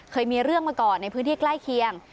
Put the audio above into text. เคยมีเรื่องมาก่อนในพื้นที่ใกล้เคียง